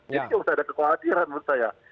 ini harus ada kekhawatiran menurut saya